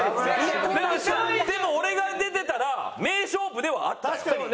でも俺が出てたら名勝負ではあったよ。